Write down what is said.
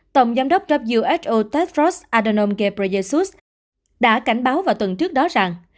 tổng giám đốc who tedros adhanom ghebreyesus đã cảnh báo vào tuần trước đó rằng